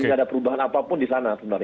jadi gak ada perubahan apapun di sana sebenarnya